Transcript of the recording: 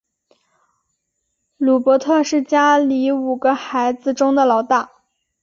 鲁伯特是家里五个孩子中的老大。